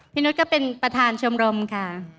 พี่นุฏก็เป็นประธานชมรมค่ะ